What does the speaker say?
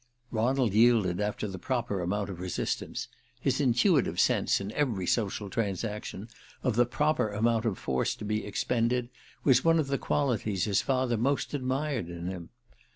Ronald yielded after the proper amount of resistance his intuitive sense, in every social transaction, of the proper amount of force to be expended, was one of the qualities his father most admired in him.